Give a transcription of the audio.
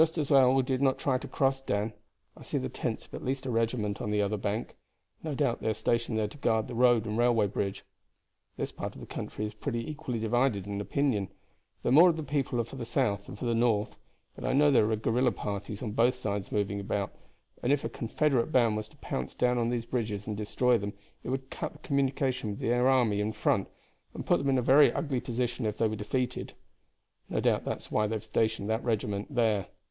"It is just as well we did not try to cross, Dan. I see the tents of at least a regiment on the other bank. No doubt they are stationed there to guard the road and railway bridge. This part of the country is pretty equally divided in opinion, though more of the people are for the South than for the North; but I know there are guerrilla parties on both sides moving about, and if a Confederate band was to pounce down on these bridges and destroy them it would cut the communication with their army in front, and put them in a very ugly position if they were defeated. No doubt that's why they have stationed that regiment there.